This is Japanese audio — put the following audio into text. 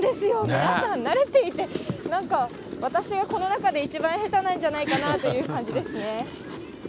皆さん、慣れていて、なんか私がこの中で一番下手なんじゃないかなという感じですね。